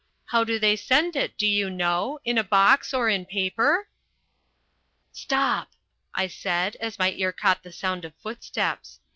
How do they send it, do you know, in a box, or in paper?" "Stop," I said as my ear caught the sound of footsteps.